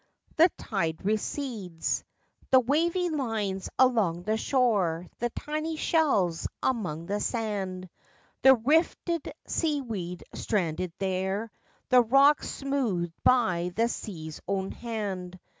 The tide recedes. The wavy lines along the shore, The tiny shells among the sand, The rifted sea weed stranded there, The rocks smoothed by the sea's own hand.